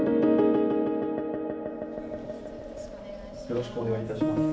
よろしくお願いします。